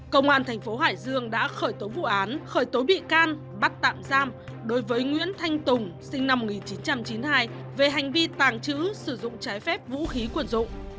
công an thành phố hải dương đã khởi tố vụ án khởi tố bị can bắt tạm giam đối với nguyễn thanh tùng sinh năm một nghìn chín trăm chín mươi hai về hành vi tàng trữ sử dụng trái phép vũ khí quần dụng